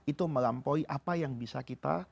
itu melampaui apa yang bisa kita